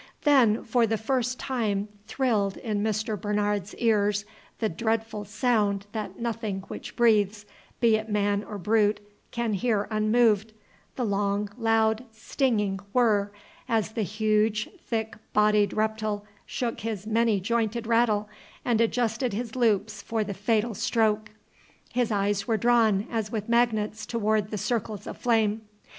Then for the first time thrilled in Mr. Bernard's ears the dreadful sound that nothing which breathes, be it man or brute, can hear unmoved, the long, loud, stinging whirr, as the huge, thick bodied reptile shook his many jointed rattle and adjusted his loops for the fatal stroke. His eyes were drawn as with magnets toward the circles of flame.